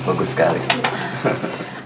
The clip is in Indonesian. semoga semua dilancarkan ya allah